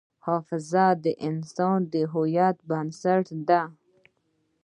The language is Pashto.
حافظه د انسان د هویت بنسټ ده.